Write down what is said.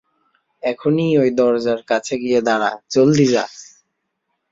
এখনি ওই দরজার কাছে গিয়ে দাঁড়া, জলদি যা!